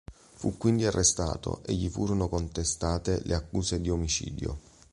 Fu quindi arrestato e gli furono contestate le accuse di omicidio.